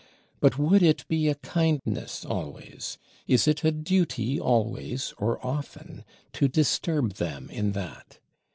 But would it be a kindness always, is it a duty always or often, to disturb them in that?